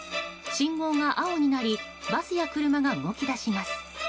信号が青になりバスや車が動き出します。